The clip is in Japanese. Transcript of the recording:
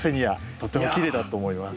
とってもきれいだと思います。